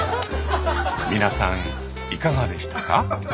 皆さんいかがでしたか？